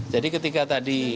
jadi ketika tadi